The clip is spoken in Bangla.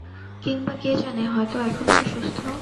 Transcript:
কিংবা কে জানে হয়তো এখন সে সুস্থ।